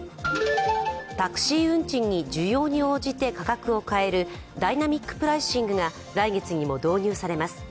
タクシー運賃に、需要に応じて価格を変えるダイナミックプライシングが来月にも導入されます。